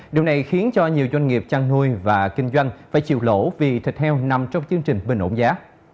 điều này khiến cho nhiều doanh nghiệp chăn nuôi và kinh doanh phải chịu lỗ vì thịt heo nằm trong chương trình bình ổn giá